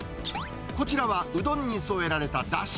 こちらは、うどんに添えられただし。